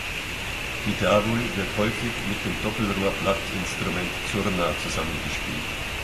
Die "davul" wird häufig mit dem Doppelrohrblatt-Instrument "zurna" zusammen gespielt.